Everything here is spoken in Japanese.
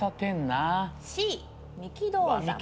Ｃ三木道三。